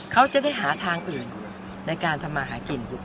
เขาจะได้หาทางอื่นในการทำมาหากิน